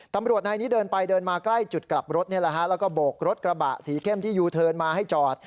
ตำรวจนายนี้เดินไปเดินมาใกล้จุดกลับรถนี่แหละฮะแล้วก็โบกรถกระบะสีเข้มที่ยูเทิร์นมาให้จอด